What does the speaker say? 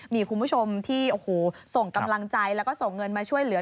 มีคุณผู้ชมที่โอ้โหส่งกำลังใจแล้วก็ส่งเงินมาช่วยเหลือ